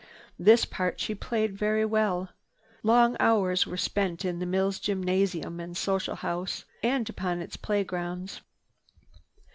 This part she played very well. Long hours were spent in the mill's gymnasium and social house, and upon its playgrounds.